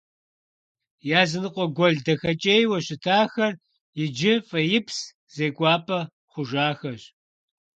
Языныкъуэ гуэл дахэкӀейуэ щытахэр иджы фӀеипс зекӀуапӀэ хъужахэщ.